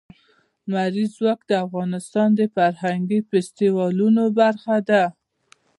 لمریز ځواک د افغانستان د فرهنګي فستیوالونو برخه ده.